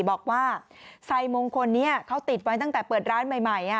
บอกว่าไซมงคลนี้เขาติดไว้ตั้งแต่เปิดร้านใหม่